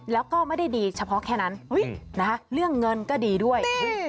แล้วก็ไม่ได้ดีเฉพาะแค่นั้นเรื่องเงินก็ดีด้วย